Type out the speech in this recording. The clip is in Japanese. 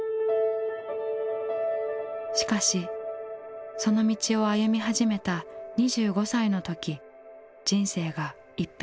しかしその道を歩み始めた２５歳の時人生が一変する。